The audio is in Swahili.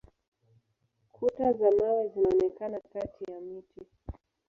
Kuta za mawe zinaonekana kati ya miti.